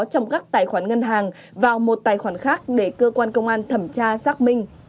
trong các tài khoản ngân hàng vào một tài khoản khác để cơ quan công an thẩm tra xác minh